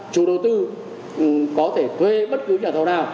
chủ đầu tư có thể thuê bất cứ nhà thầu nào